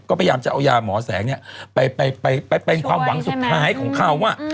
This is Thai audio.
ก็พยายามจะเอายาหมอแสงไปเป็นความหวังสุดท้ายของเขา